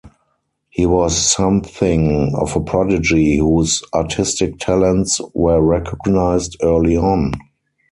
He was something of a prodigy whose artistic talents were recognised early on.